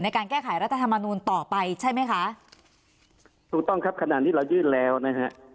การแก้ไขรัฐธรรมนูลต่อไปใช่ไหมคะถูกต้องครับขณะนี้เรายื่นแล้วนะฮะ